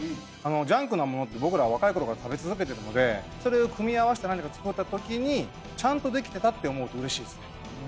ジャンクなものって僕ら若い頃から食べ続けてるのでそれを組み合わせて何か作ったときにちゃんとできてたって思うと嬉しいですね